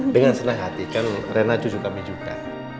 dengan senang hati kan renat cucu kami juga